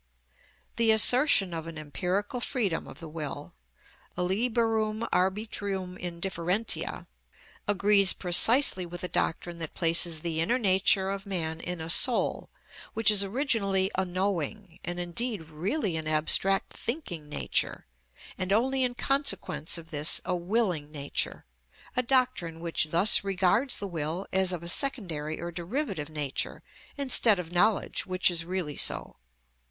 The assertion of an empirical freedom of the will, a liberum arbitrium indifferentiæ, agrees precisely with the doctrine that places the inner nature of man in a soul, which is originally a knowing, and indeed really an abstract thinking nature, and only in consequence of this a willing nature—a doctrine which thus regards the will as of a secondary or derivative nature, instead of knowledge which is really so.